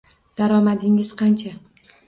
Daromadingiz qancha?